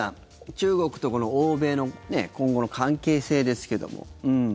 中国と、この欧米の今後の関係性ですけども。